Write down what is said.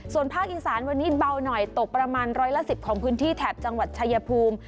ส่วนภาคอีสานวันนี้เบาหน่อยตกประมาณร้อยละ๑๐ของพื้นที่แถบจังหวัดชายภูมิ